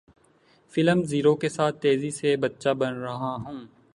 film zero کے ساتھ تیزی سے بچہ بن رہا ہوں